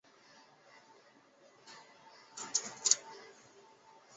今花莲县卓溪乡。